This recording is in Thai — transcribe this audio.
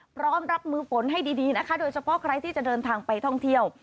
พร้อมรับมือฝนให้ดีนะคะโดยเฉพาะใครที่จะเดินทางไปท่องเที่ยว